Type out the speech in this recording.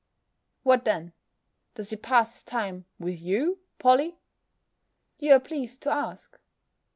"What then, does he pass his time with you, Polly?" you are pleased to ask.